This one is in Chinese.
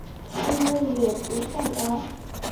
利润也不算高